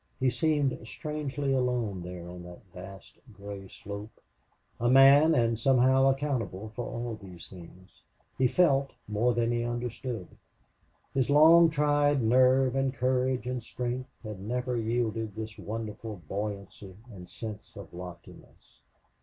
He seemed strangely alone there on that vast gray slope a man and somehow accountable for all these things. He felt more than he understood. His long tried nerves and courage and strength had never yielded this wonderful buoyancy and sense of loftiness.